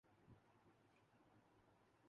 interview کے بعد اداکار کو مداحوں کی